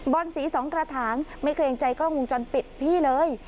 อนสีสองกระถางไม่เกรงใจกล้องวงจรปิดพี่เลย